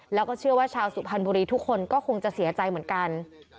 แล้วก็เชื่อว่าชาวสุพรรณบุรีทุกคนก็คงจะเสียใจเหมือนกัน